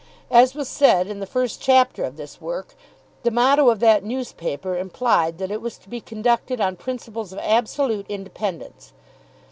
As was said in the first chapter of this work, the motto of that newspaper implied that it was to be conducted on principles of absolute independence.